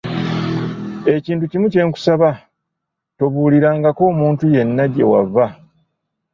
Ekintu kimu kye nkusaba, tobuulirangako omuntu yenna gye wava.